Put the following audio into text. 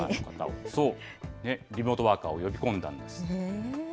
リモートワーカーを呼び込んだんです。